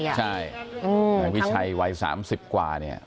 ใช่นายวิชัยวัยสามสิบกว่าเนี่ย